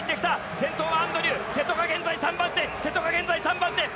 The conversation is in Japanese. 先頭はアンドリュー、瀬戸が現在３番手、瀬戸が現在３番手。